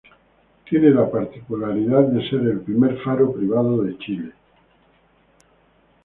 Tiene la particularidad de ser el primer faro privado de Chile.